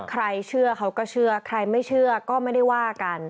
ใครเชื่อเขาก็เชื่อใครไม่เชื่อก็ไม่ได้ว่ากัน